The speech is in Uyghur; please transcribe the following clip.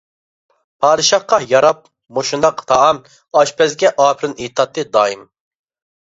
پادىشاھقا ياراپ مۇشۇنداق تائام، ئاشپەزگە ئاپىرىن ئېيتاتتى دائىم.